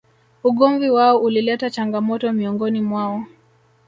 Ugomvi wao ulileta changamoto miongoni mwao